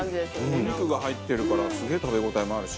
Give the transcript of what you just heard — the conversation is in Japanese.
お肉が入ってるからすげえ食べ応えもあるし。